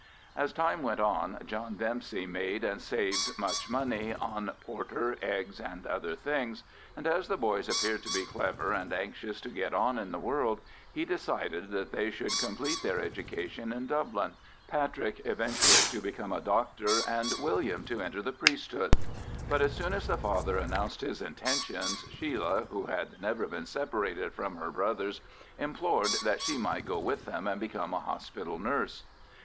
As time went on John Dempsey made and saved much money on porter, eggs, and other things, and as the boys appeared to be clever and anxious to get on in the world, he decided that they should complete their education in Dublin, Patrick eventually to become a doctor, and William to enter the priesthood; but as soon as the father announced his intentions, Sheila, who had never been separated from her brothers, implored that she might go with them and become a hospital nurse.